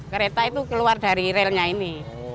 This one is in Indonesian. kereta itu keluar dari relnya ini